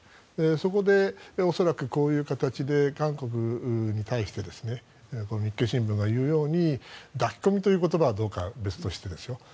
そこで恐らくこういう形で韓国に対して日経新聞が言うように抱き込みという言葉がどうかは別としてですよ